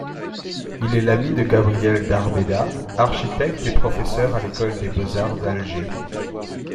Il est l'ami de Gabriel Darbeda, architecte et professeur à l'École des beaux-arts d'Alger.